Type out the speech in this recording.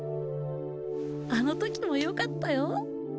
あの時もよかったよ